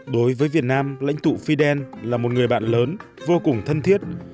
đối với việt nam lãnh tụ fidel là một người bạn lớn vô cùng thân thiết